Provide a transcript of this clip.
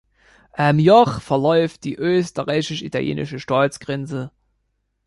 Am Joch verläuft die österreichisch-italienische Staatsgrenze.